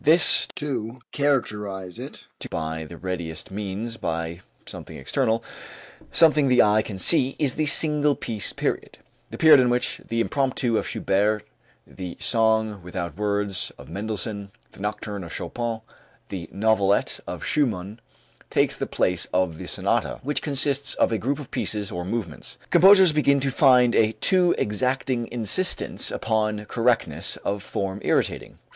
This, to characterize it by the readiest means, by something external, something the eye can see, is the "single piece" period, the period in which the impromptu of Schubert, the song without words of Mendelssohn, the nocturne of Chopin, the novelette of Schumann, takes the place of the sonata, which consists of a group of pieces or movements. Composers begin to find a too exacting insistence upon correctness of form irritating.